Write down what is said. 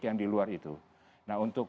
yang diluar itu nah untuk